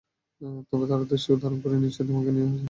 তবে তাঁর আদর্শ ধারণ করে নিশ্চয় অনেকে তৈরি হচ্ছেন, হয়তো অনেক তরুণ।